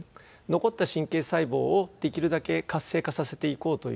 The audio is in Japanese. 残った神経細胞をできるだけ活性化させていこうという。